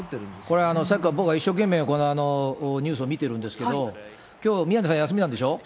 これさっきから僕、一生懸命ニュースを見てるんですけど、きょう、宮根さん休みなんでしょ？